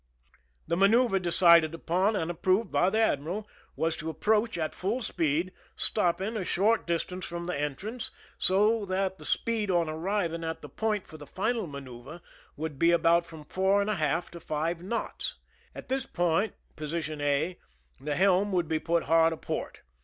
The manoeuver decided upon and approved by the admiral was to approach at full speed, stopping a short distance from the entrance, so that the speed on arriving at the point for the final manoeu ver would be about from four and a half to five knots. (See plan, page 23.) At this point, position A, the helm would be put hard aport.